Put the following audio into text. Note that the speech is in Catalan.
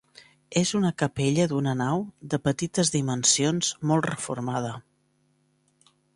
És una capella d'una nau, de petites dimensions, molt reformada.